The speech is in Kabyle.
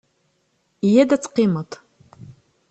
Yya-d ad teqqimeḍ.